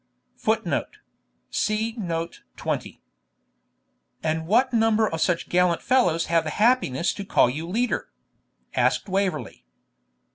[Footnote: See Note 20.] 'And what number of such gallant fellows have the happiness to call you leader?' asked Waverley.